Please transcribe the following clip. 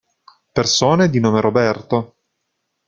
Persone di nome Roberto